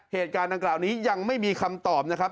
เหตุการณ์ดังกล่าวนี้ยังไม่มีคำตอบนะครับ